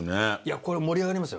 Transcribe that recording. これ盛り上がりますよ。